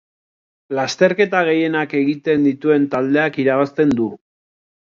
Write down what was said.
Lasterketa gehienak egiten dituen taldeak irabazten du.